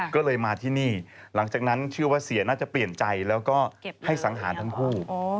ก็เลยมาที่นี่หลังจากนั้นเชื่อว่าเสียน่าจะเปลี่ยนใจแล้วก็ให้สังหารทั้งคู่